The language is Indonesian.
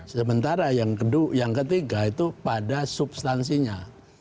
sementara yang ketiga itu pada substansinya